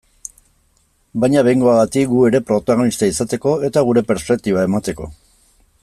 Baina behingoagatik gu ere protagonista izateko, eta gure perspektiba emateko.